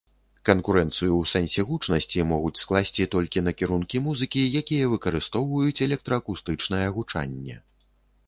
Канкурэнцыю ў сэнсе гучнасці могуць скласці толькі накірункі музыкі, якія выкарыстоўваюць электраакустычнае гучанне.